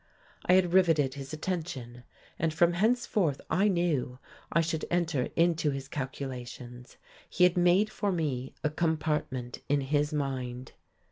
I had riveted his attention. And from henceforth, I knew, I should enter into his calculations. He had made for me a compartment in his mind.